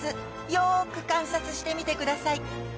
よく観察してみてください